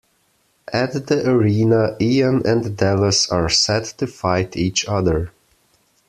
At the arena Ian and Delos are set to fight each other.